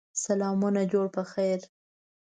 سلامونه جوړ په خیر!